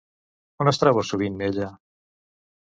On es troba sovint ella?